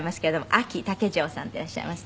あき竹城さんでいらっしゃいます。